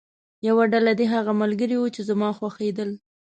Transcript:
یوه ډله دې هغه ملګري وو چې زما خوښېدل.